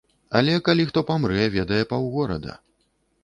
Але калі хто памрэ, ведае паўгорада.